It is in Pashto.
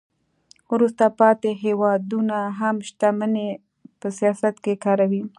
وروسته پاتې هیوادونه هم شتمني په سیاست کې کاروي